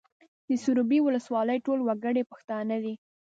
د سروبي ولسوالۍ ټول وګړي پښتانه دي